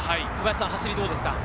走りはどうですか？